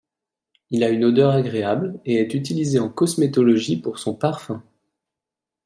Il a une odeur agréable et est utilisé en cosmétologie pour son parfum.